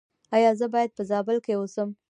ایا زه باید په زابل کې اوسم؟